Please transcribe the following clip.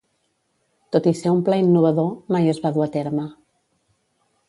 Tot i ser un pla innovador, mai es va dur a terme.